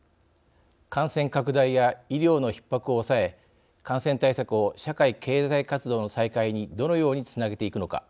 感染拡大や医療のひっ迫を抑え感染対策を社会経済活動の再開にどのようにつなげていくのか。